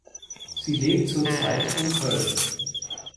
Sie lebt zurzeit in Köln.